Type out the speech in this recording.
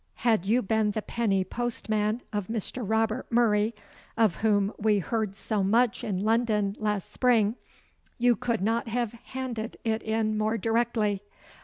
Had you been the penny postman of Mr. Robert Murray, of whom we heard so much in London last spring, you could not have handed it in more directly.